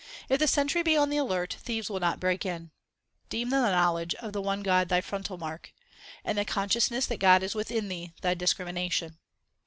If the sentry be on the alert, thieves will not break in. Deem the knowledge of the one God thy frontal mark, And the consciousness that God is within thee thy dis crimination.